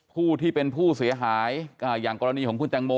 ผู้ที่เป็นผู้เสียหายอย่างกรณีของคุณแตงโม